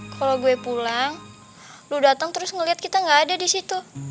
kalau gue pulang lu datang terus ngeliat kita gak ada di situ